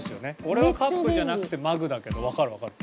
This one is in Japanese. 俺はカップじゃなくてマグだけどわかるわかる。